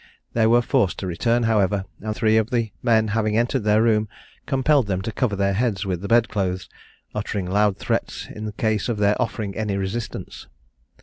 They were forced to return, however, and three of the men having entered their room, compelled them to cover their heads with the bed clothes, uttering loud threats in case of their offering any resistance.